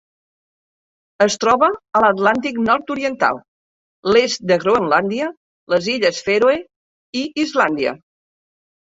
Es troba a l'Atlàntic nord-oriental: l'est de Groenlàndia, les illes Fèroe i Islàndia.